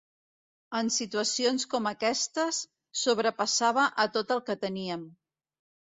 En situacions com aquestes sobrepassava a tot el que teníem.